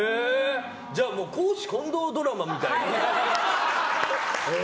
じゃあ公私混同ドラマみたいな。